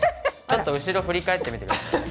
ちょっと後ろ振り返ってみてください。